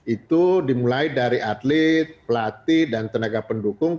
itu dimulai dari atlet pelatih dan tenaga pendukung